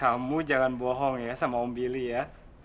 kamu jangan bohong ya sama om billy ya